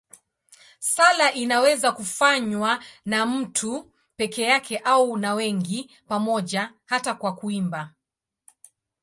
Sala inaweza kufanywa na mtu peke yake au na wengi pamoja, hata kwa kuimba.